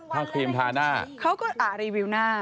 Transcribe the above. ถ้าครีมทาหน้าเขาก็รีวิวหน้า